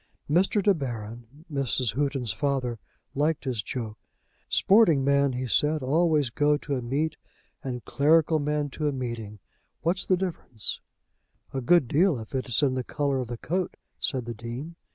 Mr. De Baron, Mrs. Houghton's father, liked his joke. "Sporting men," he said, "always go to a meet, and clerical men to a meeting. What's the difference?" "A good deal, if it is in the colour of the coat," said the Dean.